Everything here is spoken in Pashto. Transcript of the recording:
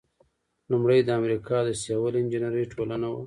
لومړۍ د امریکا د سیول انجینری ټولنه وه.